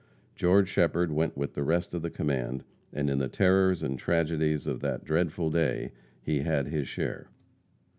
George Shepherd went with the rest of the command, and in the terrors and tragedies of that dreadful day, he had his share.